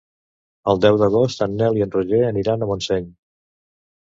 El deu d'agost en Nel i en Roger aniran a Montseny.